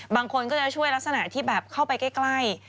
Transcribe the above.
บางคนก็จะช่วยลักษณะที่แบบเข้าไปใกล้